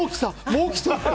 もうきた！